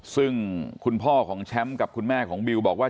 ซึ่งคุณพ่อของแชมป์กับคุณแม่ของบิวบอกว่า